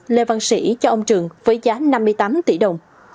lê văn sĩ cho ông trường với giá năm mươi tám tỷ đồng